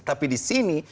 tapi di sini